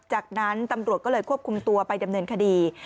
จากนั้นตำรวจก็เลยควบคุมตัวไปดำเนินคดี